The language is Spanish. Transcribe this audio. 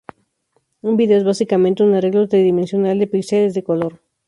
Un vídeo es básicamente un arreglo tridimensional de pixeles de color.